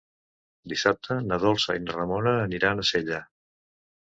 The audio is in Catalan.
Dissabte na Dolça i na Ramona aniran a Sella.